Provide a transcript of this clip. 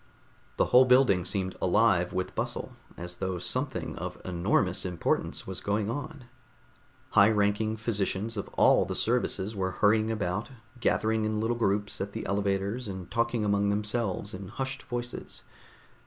The whole building seemed alive with bustle, as though something of enormous importance was going on; high ranking physicians of all the services were hurrying about, gathering in little groups at the elevators and talking among themselves in hushed voices.